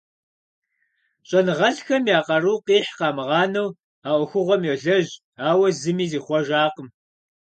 ЩӀэныгъэлӀхэм я къару къихь къамыгъанэу а Ӏуэхугъуэм йолэжь, ауэ зыми зихъуэжакъым.